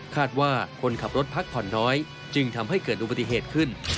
คาดว่าคนขับรถพักผ่อนน้อยจึงทำให้เกิดอุบัติเหตุขึ้น